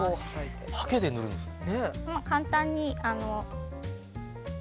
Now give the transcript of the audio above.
はけで塗るんですね。